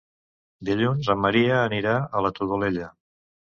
Dilluns en Maria anirà a la Todolella.